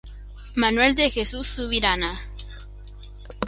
Manuel de Jesús Subirana.